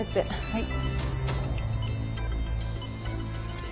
はい。